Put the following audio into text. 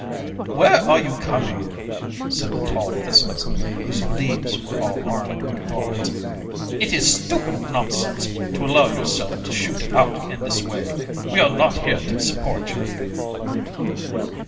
"Where are you coming?" said the tall thistles whose leaves were all armed with thorns. "It is stupid nonsense to allow yourself to shoot out in this way; we are not here to support you."